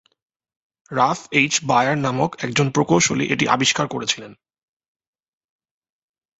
Rough H Baer নামক একজন প্রকৌশলী এটি আবিষ্কার করেছিলেন।